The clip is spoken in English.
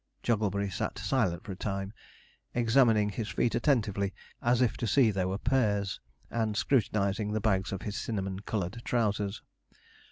Jogglebury sat silent for a time, examining his feet attentively as if to see they were pairs, and scrutinizing the bags of his cinnamon coloured trousers.